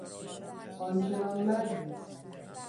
آن چنان مردی